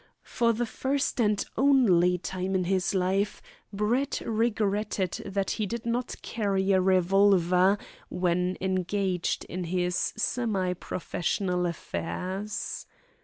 For the first and only time in his life Brett regretted that he did not carry a revolver when engaged in his semi professional affairs.